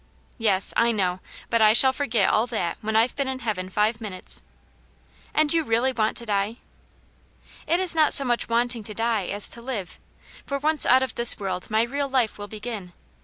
" Yes, I know. But I shall forget all tliat when Tve been in heaven five minutes." *' And you really want to die V^ " It is not so much wanting to die as to live. For once out of this world my real life will begin.